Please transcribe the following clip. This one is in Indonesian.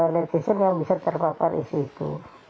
netizen yang bisa terpapar di situ